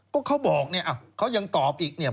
ก็เขาบอกเนี่ยเขายังตอบอีกเนี่ย